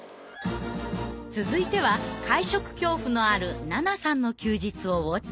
続いては会食恐怖のあるななさんの休日をウォッチング。